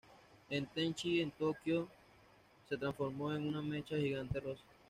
En "Tenchi en Tokio", se transformó en un mecha gigante rosa.